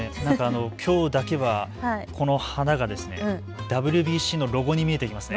きょうだけは、この花がＷＢＣのロゴに見えてきますね。